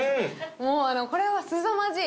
もうこれはすさまじい。